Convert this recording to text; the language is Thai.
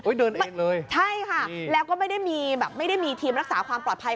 โอ๊ยเดินเองเลยนี่ค่ะแล้วก็ไม่ได้มีทีมรักษาความปลอดภัย